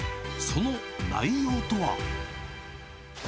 その内容とは。